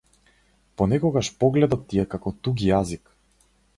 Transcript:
Понекогаш погледот ти е како туѓ јазик.